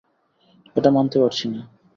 এটা মানতে পারছি না।